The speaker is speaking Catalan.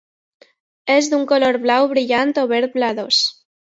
És d'un color blau brillant o verd blavós.